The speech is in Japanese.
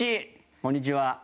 こんにちは。